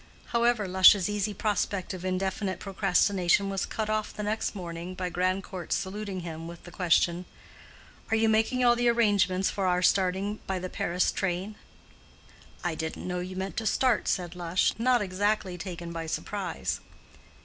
However, Lush's easy prospect of indefinite procrastination was cut off the next morning by Grandcourt's saluting him with the question, "Are you making all the arrangements for our starting by the Paris train?" "I didn't know you meant to start," said Lush, not exactly taken by surprise.